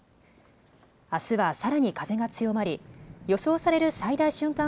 あすはさらに風が強まり予想される最大瞬間